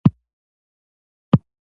د پکتیکا په زیروک کې د سمنټو مواد شته.